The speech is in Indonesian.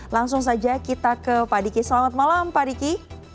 langsung saja kita ke pak diki selamat malam pak diki